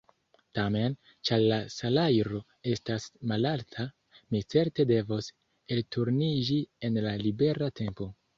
Tamen, ĉar la salajro estas malalta, mi certe devos elturniĝi en la libera tempo.